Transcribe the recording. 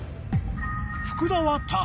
福田は「田」